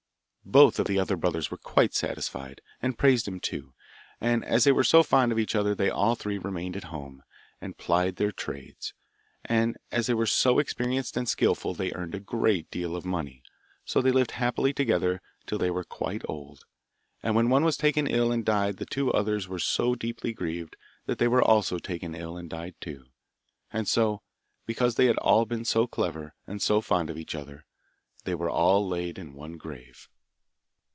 Both the other brothers were quite satisfied, and praised him too, and as they were so fond of each other they all three remained at home and plied their trades: and as they were so experienced and skilful they earned a great deal of money. So they lived happily together till they were quite old, and when one was taken ill and died the two others were so deeply grieved that they were also taken ill and died too. And so, because they had all been so clever, and so fond of each other, they were all laid in one grave.